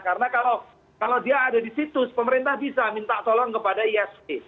karena kalau dia ada di situs pemerintah bisa minta tolong kepada isp